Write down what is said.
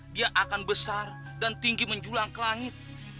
dia akan besar dan tinggi menjulang ke langit